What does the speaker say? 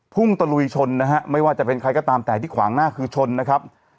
พุ่งตะลุยชนนะฮะไม่ว่าจะเป็นใครก็ตามแต่ที่ขวางหน้าคือชนนะครับ